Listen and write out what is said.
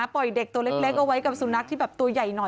ปล่อยเด็กตัวเล็กเอาไว้กับสุนัขที่แบบตัวใหญ่หน่อย